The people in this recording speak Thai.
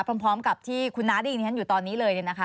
พร้อมกับที่คุณน้าที่อยู่ตอนนี้เลยนะคะ